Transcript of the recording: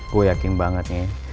gue yakin banget nih